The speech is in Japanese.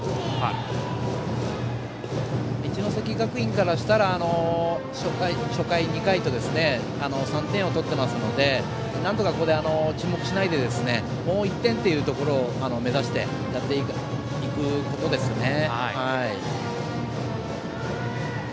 一関学院からしたら初回、２回と３点を取ってますのでなんとかここで沈黙しないでもう１点というところを目指してやっていくことですね。